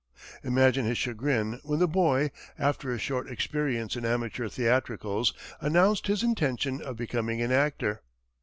Imagine his chagrin when the boy, after a short experience in amateur theatricals, announced his intention of becoming an actor.